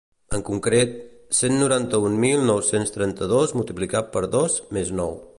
En concret, cent noranta-un mil nou-cents trenta-dos multiplicat per dos més nou.